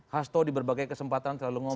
hasto di berbagai kesempatan selalu ngomong